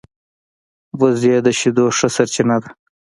وزې د شیدو ښه سرچینه ده